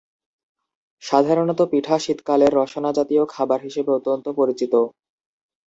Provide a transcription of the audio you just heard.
সাধারণতঃ পিঠা শীতকালের রসনাজাতীয় খাবার হিসেবে অত্যন্ত পরিচিত।